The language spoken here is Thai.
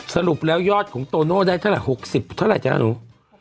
สรุปแล้วยอดของโตโน่ได้เท่าไหร่๖๐เท่าไหรจ๊ะหนู